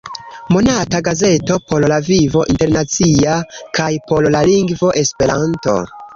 Monata gazeto por la vivo internacia kaj por la lingvo Esperanto.